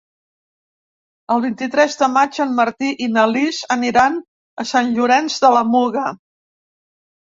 El vint-i-tres de maig en Martí i na Lis aniran a Sant Llorenç de la Muga.